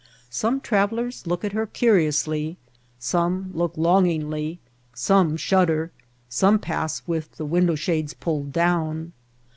Some travelers look at her curiously, some look longingly, some shudder, some pass with the window shades pulled down.